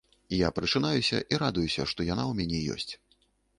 Я прачынаюся і радуюся, што яна ў мяне ёсць.